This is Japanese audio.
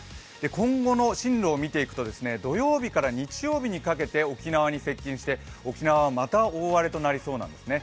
今後の進路を見ていくと、土曜日から日曜日にかけて沖縄に接近して、沖縄はまた大荒れとなりそうなんですね。